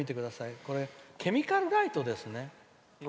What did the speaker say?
ケミカルライトですね。